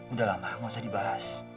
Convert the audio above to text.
udah lama masa dibahas